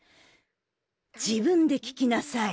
自分で聞きなさい。